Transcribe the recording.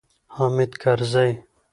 حامد کرزی